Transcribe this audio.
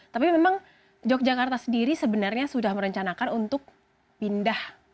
tapi memang yogyakarta sendiri sebenarnya sudah merencanakan untuk pindah